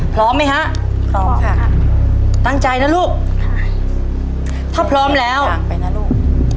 พร้อมไหมฮะพร้อมค่ะตั้งใจนะลูกค่ะถ้าพร้อมแล้วไปนะลูก